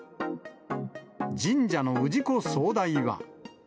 神社の氏子総代は。